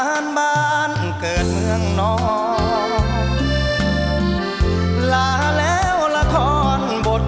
ช่วยฝังดินหรือกว่า